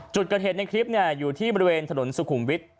จุดเกิดเหตุในคลิปอยู่ที่บริเวณถนนสุขุมวิทย์